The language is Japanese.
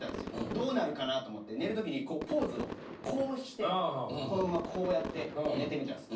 どうなるかなと思って寝るときにこうポーズをこうしてこのままこうやって寝てみたんです。